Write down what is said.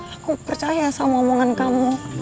aku percaya sama omongan kamu